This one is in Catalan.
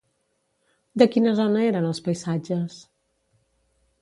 De quina zona eren els paisatges?